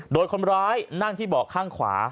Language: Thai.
โดยคนร้ายนั่งที่เบาะข้างขวา